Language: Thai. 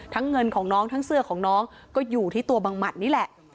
เงินของน้องทั้งเสื้อของน้องก็อยู่ที่ตัวบังหมัดนี่แหละ